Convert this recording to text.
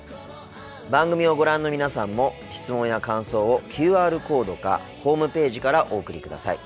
番組をご覧の皆さんも質問や感想をＱＲコードかホームページからお送りください。